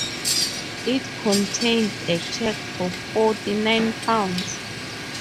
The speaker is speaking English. It contained a cheque for forty-nine pounds.